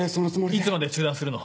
いつまで中断するの？